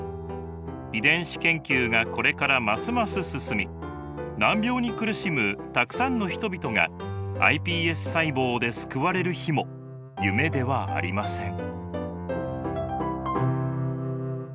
遺伝子研究がこれからますます進み難病に苦しむたくさんの人々がｉＰＳ細胞で救われる日も夢ではありません。